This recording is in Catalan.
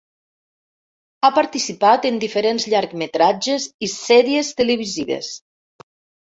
Ha participat en diferents llargmetratges i sèries televisives.